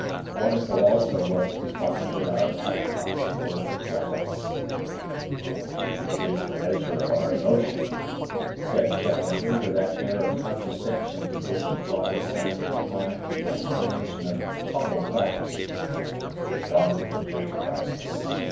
Wonderful also was it to find that our appetites were ravenous. "It is the measure of our emotion," said Challenger with that air of condescension with which he brought his scientific mind to the explanation of humble facts. "We have gone through a great crisis.